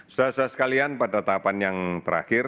sudah sudah sekalian pada tahapan yang terakhir